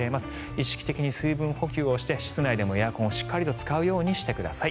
意識的に水分補給をして室内でもエアコンをしっかり使うようにしてください。